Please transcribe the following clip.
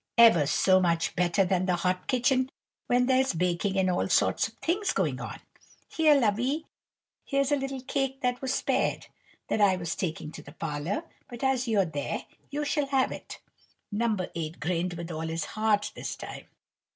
Ever so much better than the hot kitchen, when there's baking and all sorts of things going on. Here, lovey! here's a little cake that was spared, that I was taking to the parlour; but, as you're there, you shall have it." No. 8 grinned with all his heart this time.